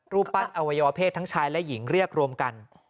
รูปปั้นอวัยวเพศทั้งชายและหญิงเรียกรวมกัน